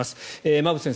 馬渕先生